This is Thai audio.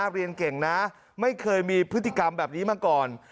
เรียนเก่งนะไม่เคยมีพฤติกรรมแบบนี้มาก่อน